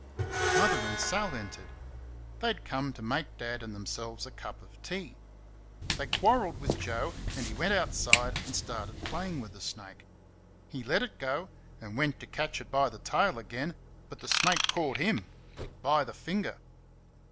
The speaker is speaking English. Mother and Sal entered. They had come to make Dad and themselves a cup of tea. They quarrelled with Joe, and he went out and started playing with the snake. He let it go, and went to catch it by the tail again, but the snake caught HIM by the finger.